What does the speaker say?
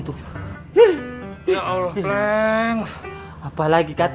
salah lama lagi